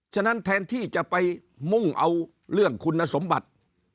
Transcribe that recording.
ฉะนั้นแทนที่จะไปมุ่งเอาเรื่องคุณสมบัติ